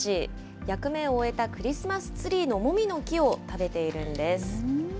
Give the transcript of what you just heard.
役目を終えたクリスマスツリーのもみの木を食べているんです。